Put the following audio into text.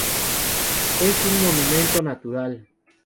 Es un Monumento Natural.